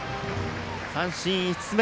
三振５つ目。